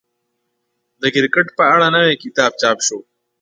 د کرکټ په اړه نوی کتاب چاپ شو.